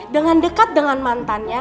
dengan dekat dengan mantannya